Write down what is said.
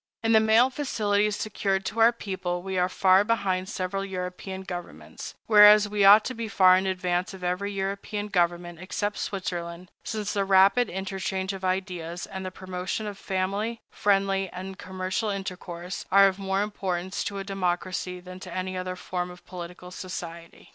In the mail facilities secured to our people, we are far behind several European governments, whereas we ought to be far in advance of every European government except Switzerland, since the rapid interchange of ideas, and the promotion of family, friendly, and commercial intercourse, are of more importance to a democracy than to any other form of political society.